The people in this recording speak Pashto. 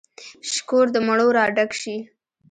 شکور د مڼو را ډک شي